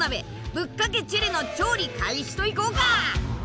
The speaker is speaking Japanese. ぶっかけチェレの調理開始といこうか！